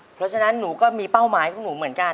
เพราะฉะนั้นหนูก็มีเป้าหมายของหนูเหมือนกัน